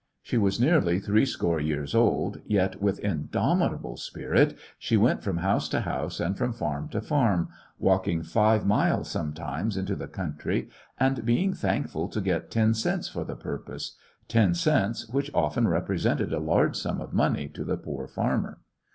She was nearly threescore years old, yet, with indomitable spirit, she went from house to house and from farm to farm, walking five miles sometimes into the country, and being thankful to get ten cents for the purpose— ten cents, which often rep resented a large sum of money to the poor farmer.